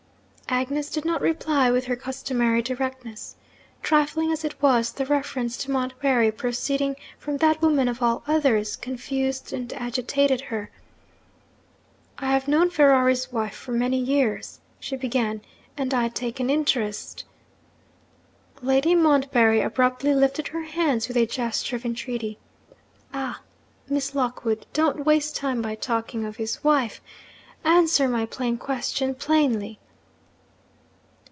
Agnes did not reply with her customary directness. Trifling as it was, the reference to Montbarry, proceeding from that woman of all others, confused and agitated her. 'I have known Ferrari's wife for many years,' she began. 'And I take an interest ' Lady Montbarry abruptly lifted her hands with a gesture of entreaty. 'Ah, Miss Lockwood, don't waste time by talking of his wife! Answer my plain question, plainly!'